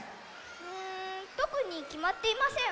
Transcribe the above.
うんとくにきまっていません。